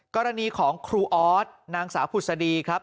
กรณีของครูออสนางสาวผุศดีครับ